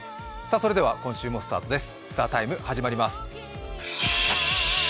それでは今週も始まります、スタートです。